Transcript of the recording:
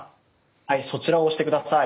はいそちらを押して下さい。